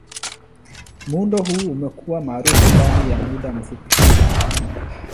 Muundo huu umekuwa maarufu ndani ya muda mfupi.